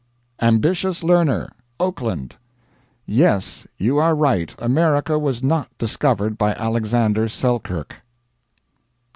"AMBITIOUS LEARNER," Oakland. Yes; you are right America was not discovered by Alexander Selkirk.